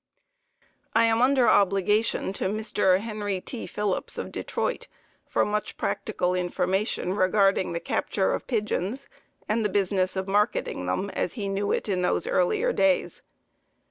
I am under obligation to Mr. Henry T. Phillips, of Detroit, for much practical information regarding the capture of pigeons, and the business of marketing them as he knew it in those earlier days.